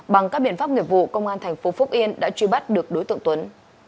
bằng các biện pháp nghiệp vụ công an thành phố phúc yên đã truy bắt được đối tượng tuấn